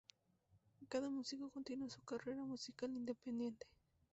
Cada músico continuó su carrera musical independiente.